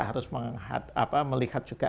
harus melihat juga